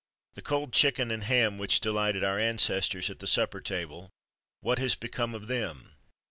The cold chicken and ham which delighted our ancestors at the supper table what has become of them?